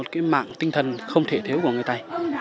có thể nói thanh là một mạng tinh thần không thể thiếu của người tài